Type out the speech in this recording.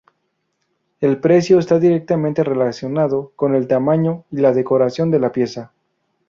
El precio está directamente relacionado con el tamaño y la decoración de la pieza.